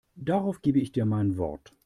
Darauf gebe ich dir mein Wort.